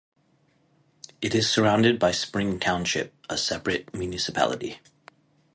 It is surrounded by Spring Township, a separate municipality.